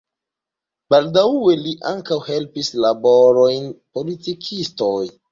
Baldaŭe li ankaŭ helpis laborojn de politikistoj.